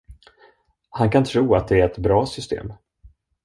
Han kan tro att det är ett bra system!